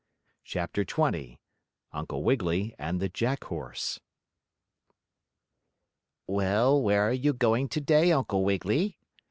CHAPTER XX UNCLE WIGGILY AND THE JACK HORSE "Well, where are you going to day, Uncle Wiggily?"